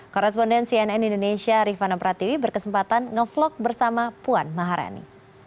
korrespondensi nn indonesia rifana pratwi berkesempatan nge vlog bersama puan maharani